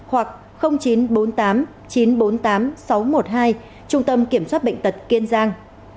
chín trăm bốn mươi sáu một trăm một mươi tám năm trăm một mươi một hoặc chín trăm bốn mươi tám chín trăm bốn mươi tám sáu trăm một mươi hai trung tâm kiểm soát bệnh tật kiên giang